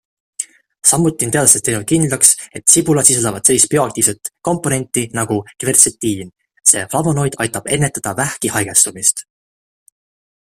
Samuti on teadlased kindlaks teinud, et sibulad sisaldavad sellist bioaktiivset komponenti nagu kvertsetiin - see flavonoid aitab ennetada vähki haigestumist.